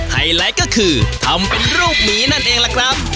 ไฮไลท์ก็คือทำเป็นรูปหมีนั่นเองล่ะครับ